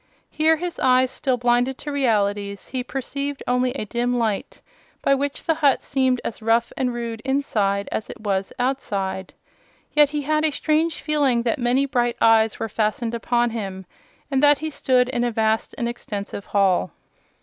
Here, his eyes still blinded to realities, he perceived only a dim light, by which the hut seemed as rough and rude inside as it was outside. Yet he had a strange feeling that many bright eyes were fastened upon him and that he stood in a vast and extensive hall.